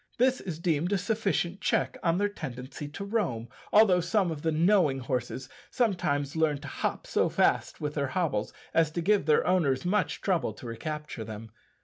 This is deemed a sufficient check on their tendency to roam, although some of the knowing horses sometimes learn to hop so fast with their hobbles as to give their owners much trouble to recapture them.